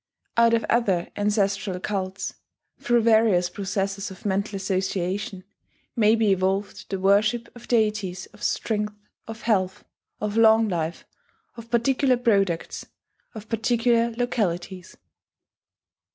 Out of other ancestral cults, through various processes of mental association, may be evolved the worship of deities of strength, of health, of long life, of particular products, of particular localities.